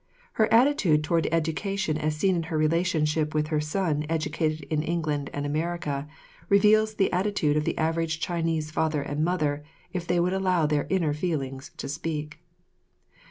Her attitude toward education as seen in her relationship with her son educated in England and America reveals the attitude of the average Chinese father and mother if they would allow their inner feelings to speak.